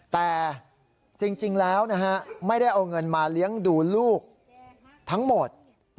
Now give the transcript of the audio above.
แต่จริงแล้วนะฮะไม่ได้เอาเงินมาเลี้ยงดูลูกทั้งหมด